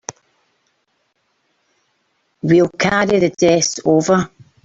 We'll carry the desk over.